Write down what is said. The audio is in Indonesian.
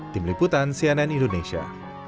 tim liputan cnn indonesia